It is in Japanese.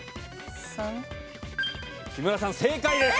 木村さん正解です。